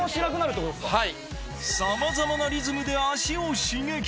さまざまなリズムで足を刺激